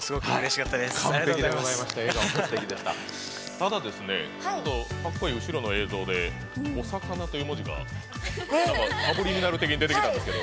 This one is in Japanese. かっこいい後ろの映像で「おさかな」という文字がサブリミナル的に出てきたんですけど。